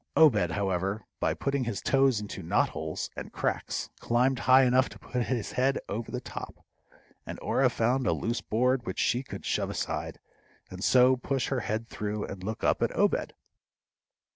Obed, however, by putting his toes into knot holes and cracks, climbed high enough to put his head over the top, and Orah found a loose board which she could shove aside, and so push her head through and look up at Obed.